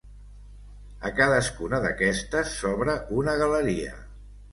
A cadascuna d'aquestes s'obre una galeria.